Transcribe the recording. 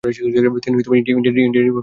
তিনি Indian Reformer পত্রিকা চালু করেন।